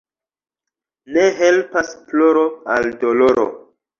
Ne helpas ploro al doloro.